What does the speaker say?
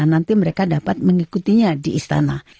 nanti mereka dapat mengikutinya di istana